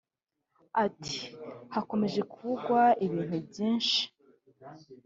Ati “ Hakomeje kuvugwa ibintu byinshi